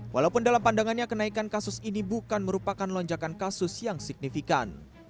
walaupun dalam pandangannya kenaikan kasus ini bukan merupakan lonjakan kasus yang signifikan